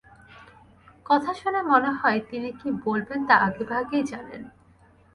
কথা শুনে মনে হয় তিনি কী বলবেন তা আগেভাগেই জানেন।